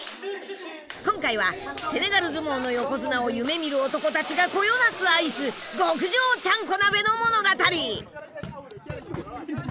今回はセネガル相撲の横綱を夢みる男たちがこよなく愛す極上ちゃんこ鍋の物語。